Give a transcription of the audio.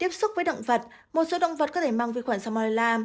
tiếp xúc với động vật một số động vật có thể mang vi khuẩn samola